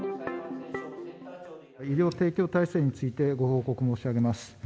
医療提供体制についてご報告申し上げます。